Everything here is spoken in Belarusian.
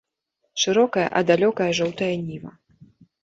Шырокая а далёкая жоўтая ніва!